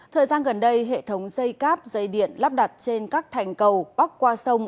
thời gian gần đây hệ thống dây cáp dây điện lắp đặt trên các thành cầu bắc qua sông